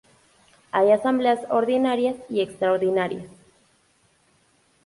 Hay Asambleas ordinarias y extraordinarias.